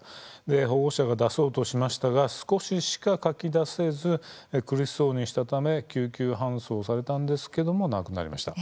保護者が出そうとしましたが少ししか、かき出せず苦しそうにしたため救急搬送されたんですけれども亡くなりました。